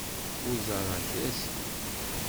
Ur ẓerreɣ kra ssya.